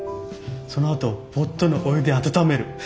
そのあとポットのお湯で温める。